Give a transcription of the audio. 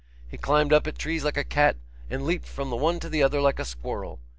He climbed up at trees like a cat, and leaped from the one to the other like a squirrel.